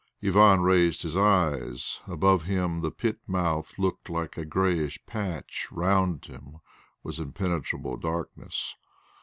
Ivan raised his eyes; above him the pit mouth looked like a greyish patch, round him was impenetrable darkness.